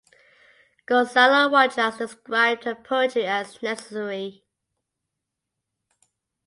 Gonzalo Rojas described her poetry as "necessary".